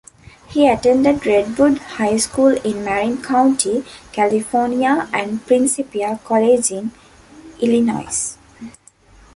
He attended Redwood High School in Marin County, California, and Principia College in Illinois.